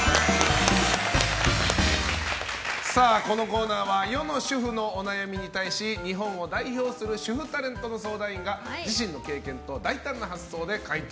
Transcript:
このコーナーは世の主婦のお悩みに対し日本を代表する主婦タレントの相談員から自身の経験と大胆な発想で回答。